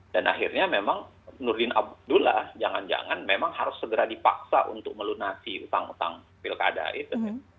dan akhirnya memang nurdin abdullah jangan jangan memang harus segera dipaksa untuk melunasi utang utang pilkada itu